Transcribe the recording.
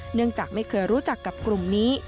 เนื่องจากไม่เคยรู้จักกับกลุ่มนี้